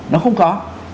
nó không có